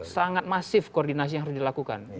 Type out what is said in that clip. sangat masif koordinasi yang harus dilakukan